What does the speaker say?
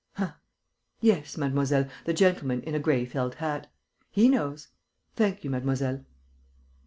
Huh!... Yes, mademoiselle, the gentleman in a gray felt hat. He knows. Thank you, mademoiselle."